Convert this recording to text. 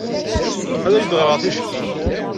Ad ak-d-ɣreɣ ticki.